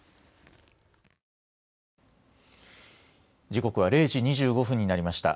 時刻は０時２５分になりました。